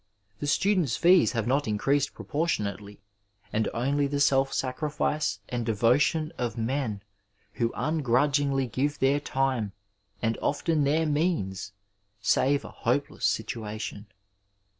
The students' fees have not increased proportionately, and only the self saorifioe and devotion of men who ungrudg ingly give their time, and often their means, save a hope less situation.